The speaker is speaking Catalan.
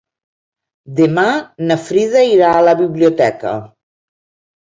Demà na Frida irà a la biblioteca.